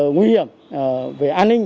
nguy hiểm về an ninh